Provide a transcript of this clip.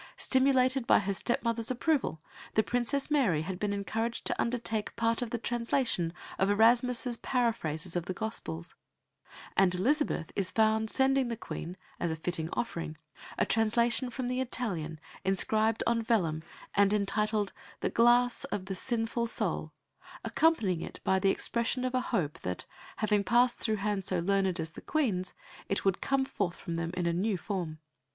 Stimulated by her step mother's approval, the Princess Mary had been encouraged to undertake part of the translation of Erasmus's paraphrases of the Gospels; and Elizabeth is found sending the Queen, as a fitting offering, a translation from the Italian inscribed on vellum and entitled the Glasse of the Synneful Soule, accompanying it by the expression of a hope that, having passed through hands so learned as the Queen's, it would come forth from them in a new form.